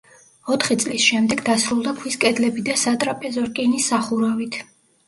ოთხი წლის შემდეგ დასრულდა ქვის კედლები და სატრაპეზო, რკინის სახურავით.